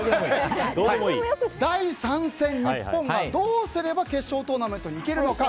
第３戦、日本がどうすれば決勝トーナメントに行けるのか。